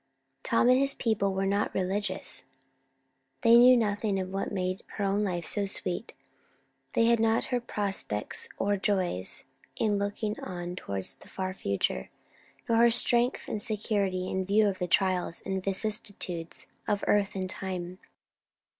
Tom and his people were not "religious." They knew nothing of what made her own life so sweet; they had not her prospects or joys in looking on towards the far future, nor her strength and security in view of the trials and vicissitudes of earth and time.